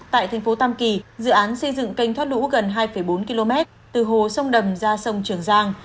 tại thành phố tam kỳ dự án xây dựng kênh thoát lũ gần hai bốn km từ hồ sông đầm ra sông trường giang